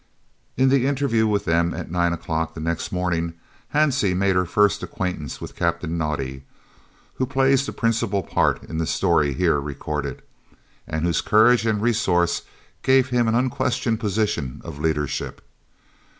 In the interview with them at 9 o'clock the next morning Hansie made her first acquaintance with Captain Naudé, who plays the principal part in the story here recorded, and whose courage and resource gave him an unquestioned position of leadership.